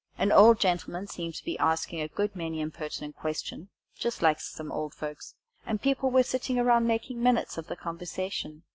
An old gentleman seemed to be asking a good many impertinent questions just like some old folks and people were sitting around making minutes of the conversation.